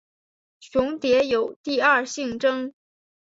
雄蝶有第二性征。